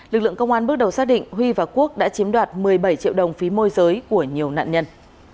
lực lượng công an bước đầu xác định huy và quốc đã chiếm đoạt một mươi bảy triệu đồng phí môi giới của nhiều nạn nhân